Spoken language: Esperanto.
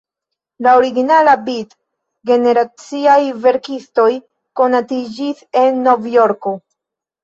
La originala "Beat"-generaciaj verkistoj konatiĝis en Novjorko.